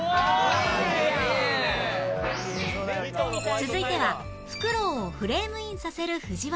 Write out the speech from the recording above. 続いてはフクロウをフレームインさせる藤原